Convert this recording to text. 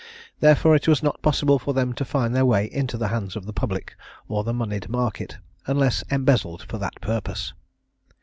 Therefore it was not possible for them to find their way into the hands of the public or the monied market, unless embezzled for that purpose.